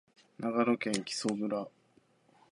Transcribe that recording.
長野県木祖村